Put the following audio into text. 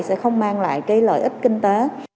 sẽ không mang lại cái lợi ích kinh tế